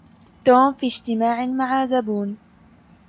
توم في اجتماع مع زبون.